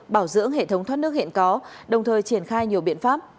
bảo dưỡng hệ thống thoát nước hiện có đồng thời triển khai nhiều biện pháp